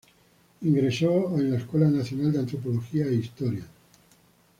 Ingresó a la Escuela Nacional de Antropología e Historia.